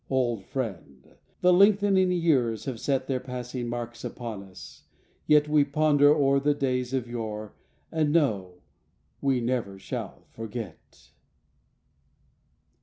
Old friend, the lengthening years have set Their passing marks upon us, yet We ponder o'er The days of yore, And know we never shall forget